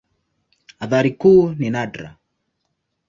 Athari kuu ni nadra.